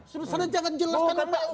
sudah jangan jelaskan upaya itu